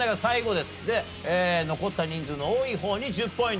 残った人数の多い方に１０ポイント。